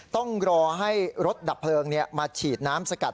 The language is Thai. ต้องรอให้รถดับเพลิงมาฉีดน้ำสกัด